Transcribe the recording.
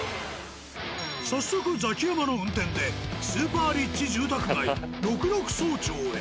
早速ザキヤマの運転でスーパーリッチ住宅街六麓荘町へ。